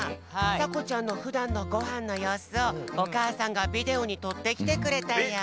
さこちゃんのふだんのごはんのようすをおかあさんがビデオにとってきてくれたよ。